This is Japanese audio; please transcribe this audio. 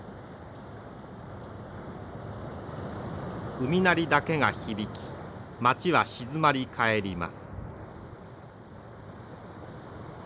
海鳴りだけが響き町は静まり返ります。